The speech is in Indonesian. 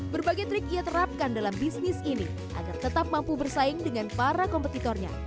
berbagai trik ia terapkan dalam bisnis ini agar tetap mampu bersaing dengan para kompetitornya